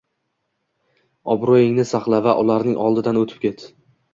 Obro‘ingni saqla va ularning oldidan o‘tib ket.